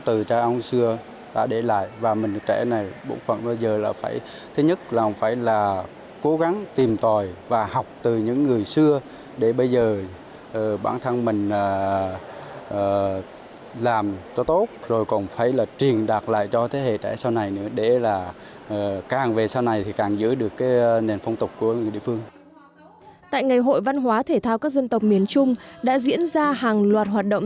tại ngày hội văn hóa thể thao các dân tộc miền trung đã diễn ra hàng loạt hoạt động